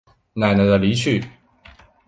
奶奶的离去